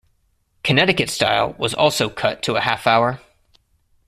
"Connecticut Style" was also cut to a half hour.